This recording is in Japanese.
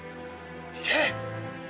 行け。